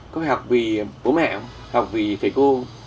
có phải học vì bố mẹ học vì thầy cô